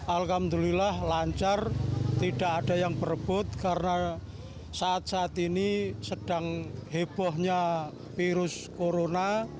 alhamdulillah lancar tidak ada yang berebut karena saat saat ini sedang hebohnya virus corona